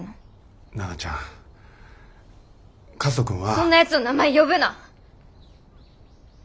そんなやつの名前呼ぶな。